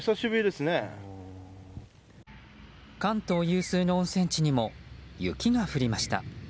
関東有数の温泉地にも雪が降りました。